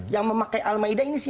yang memakai al ma'idah ini apa